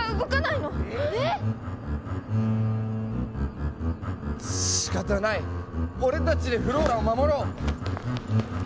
えっ⁉しかたない俺たちでフローラを守ろう！